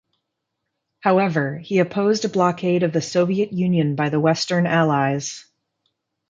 However, he opposed a blockade of the Soviet Union by the western Allies.